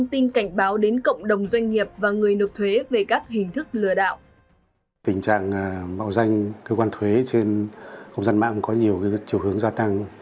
tình trạng mạo danh cơ quan thuế trên công dân mạng có nhiều chiều hướng gia tăng